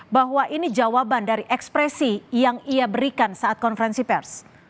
bahwa ini jawaban dari ekspresi yang ia berikan saat konferensi pers